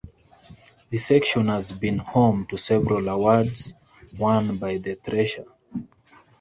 The section has been home to several awards won by the "Thresher".